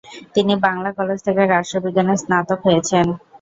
তিনি বাংলা কলেজ থেকে রাষ্ট্রবিজ্ঞানে স্নাতক হয়েছেন।